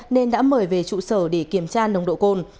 nên đã mời về trụ sở để kiểm tra nồng độ cồn